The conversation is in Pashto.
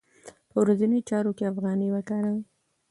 په ورځنیو چارو کې افغانۍ وکاروئ.